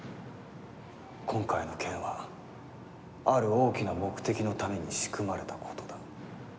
今回の件は、ある大きな目的のために仕組まれたことだ。